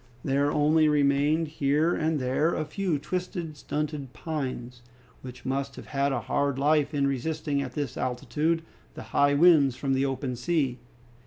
There only remained here and there a few twisted, stunted pines, which must have had a hard life in resisting at this altitude the high winds from the open sea.